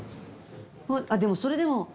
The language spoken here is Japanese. あっでもそれでも。